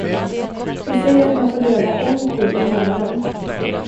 Vi säger att man får döda en ko i månaden.